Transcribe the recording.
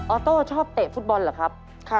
อโต้ชอบเตะฟุตบอลเหรอครับ